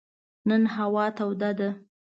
نن هوا توده ده.